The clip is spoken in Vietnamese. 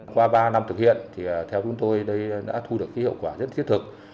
qua ba năm thực hiện thì theo chúng tôi đã thu được hiệu quả rất thiết thực